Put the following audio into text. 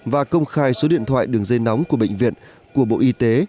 và công khai số điện thoại đường dây nóng của bệnh viện của bộ y tế